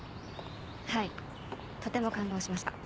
はいとても感動しました。